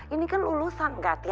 ini kan lulusan gak tiap hari ya